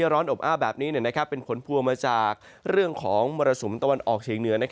ร้อนอบอ้าวแบบนี้เป็นผลพวงมาจากเรื่องของมรสุมตะวันออกเฉียงเหนือ